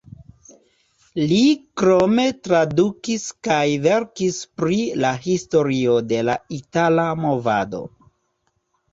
Li krome tradukis kaj verkis pri la historio de la itala movado.